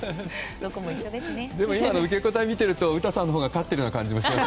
でも、今の受け答え見ると詩さんのほうが勝ってる感じがしましたね。